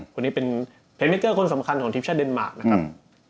คนนี้เป็นเทรนมิเกอร์คนสำคัญของทีมชาติเดนมาร์นะครับ